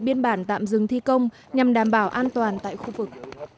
biên bản tạm dừng thi công nhằm đảm bảo an toàn tại khu vực